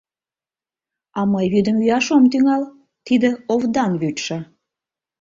А мый вӱдым йӱаш ом тӱҥал, тиде овдан вӱдшӧ...